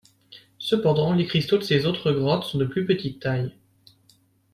Cependant, les cristaux de ces autres grottes sont de plus petite taille.